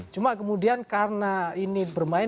cuma kemudian karena ini bermain